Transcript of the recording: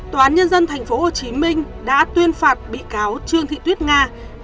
tòa án nhân dân thành phố hồ chí minh đã tuyên phạt bị cáo trương thị tuyết nga